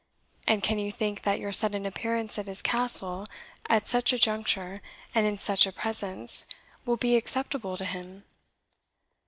and can you think that your sudden appearance at his castle, at such a juncture, and in such a presence, will be acceptable to him?"